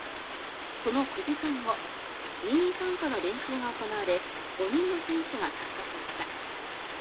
その９時間後任意参加の練習が行われ５人の選手が参加しました。